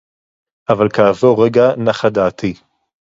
אבל כעבור רגע נחה דעתי.